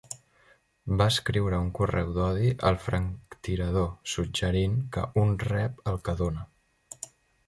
Va escriure un correu d"odi al franctirador, suggerint que "un rep el que dóna".